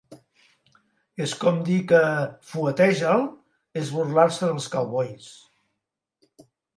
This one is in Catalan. És com dir que "fueteja'l" és burlar-se dels cowboys.